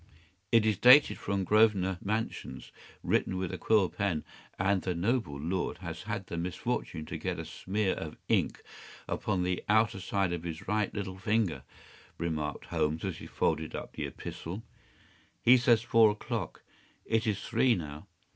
’ “It is dated from Grosvenor Mansions, written with a quill pen, and the noble lord has had the misfortune to get a smear of ink upon the outer side of his right little finger,” remarked Holmes, as he folded up the epistle. “He says four o’clock. It is three now.